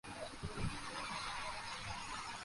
তিনি তার ক্যারিয়ার শুরু করেন।